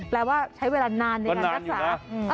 แปลว่าใช้เวลานานในการรักษา